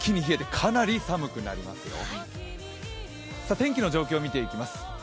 天気の状況を見ていきます。